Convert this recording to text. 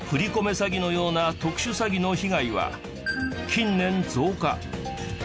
詐欺のような特殊詐欺の被害は近年増加。